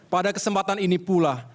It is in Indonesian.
pada kesempatan ini pula